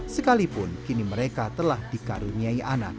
sekalipun kini mereka telah dikaruniai anak